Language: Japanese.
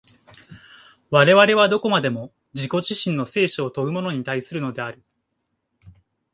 我々はどこまでも自己自身の生死を問うものに対するのである。